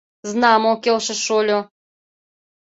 — Знамо, — келшыш шольо.